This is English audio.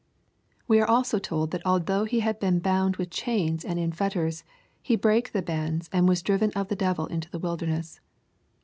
We are also told that although he had been ^^ bound with chains and in fetters, he brake the bands, and was driven of the devil into the wilderness."